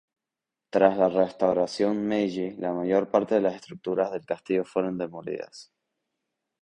Tras la restauración Meiji, la mayor parte de las estructuras de castillo fueron demolidas.